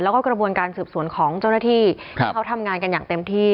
แล้วก็กระบวนการสืบสวนของเจ้าหน้าที่ที่เขาทำงานกันอย่างเต็มที่